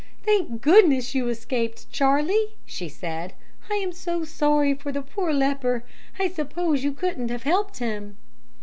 "'Thank goodness you escaped, Charlie,' she said. 'I am so sorry for the poor leper. I suppose you couldn't have helped him.'